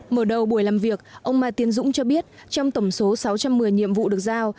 mở đầu buổi làm việc ông mai tiến dũng cho biết trong tổng số sáu trăm một mươi nhiệm vụ được giao